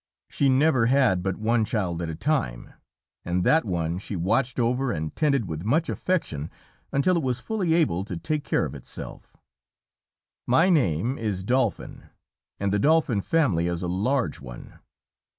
She never had but one child at a time, and that one she watched over and tended with much affection until it was fully able to take care of itself. My name is Dolphin, and the Dolphin family is a large one.